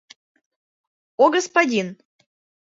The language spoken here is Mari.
О господин...